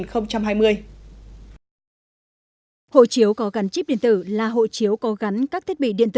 hộ chiếu có gắn chip điện tử là hộ chiếu có gắn các thiết bị gắn chip điện tử